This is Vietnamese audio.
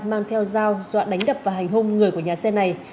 mang theo dao dọa đánh đập và hành hung người của nhà xe này